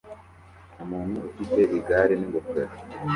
Umuntu ufite igare n'ingofero